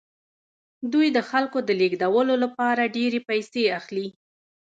دوی د خلکو د لیږدولو لپاره ډیرې پیسې اخلي